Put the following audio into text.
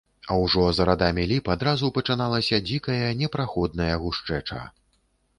А ўжо за радамі ліп адразу пачыналася дзікая, непраходная гушчэча.